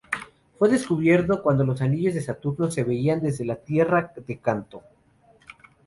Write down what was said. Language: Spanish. Fue descubierto cuando los anillos de Saturno se veían desde la Tierra de canto.